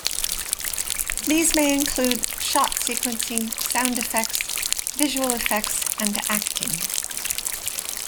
These may include shot sequencing, sound effects, visual effects and acting.